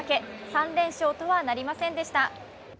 ３連勝とはなりませんでした。